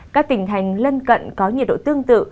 các tỉnh thành lân cận có nhiệt độ tương tự